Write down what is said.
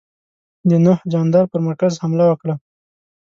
د نوح جاندار پر مرکز حمله وکړه.